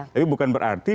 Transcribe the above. tapi bukan berarti